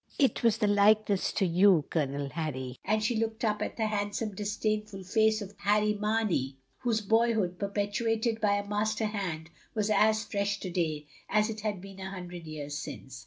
It was the likeness to you, Colonel Harry," and she looked up at the hand some disdainful face of Harry Mamey, whose boyhood, perpetuated by a master hand, was as fresh to day, as it had been a hundred years since.